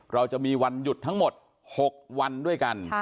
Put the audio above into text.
เราจะมีวันหยุดทั้งหมด๖วันด้วยกัน